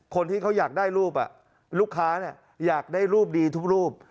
คนที่เขาอยากได้รูปลูกค้าอยากได้รูปดีทุกรูป